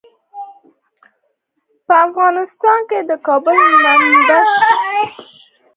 په افغانستان کې د کابل منابع شته.